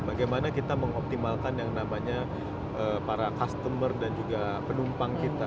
bagaimana kita mengoptimalkan yang namanya para customer dan juga penumpang kita